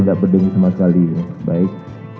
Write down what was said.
tidak beding sama sekali baik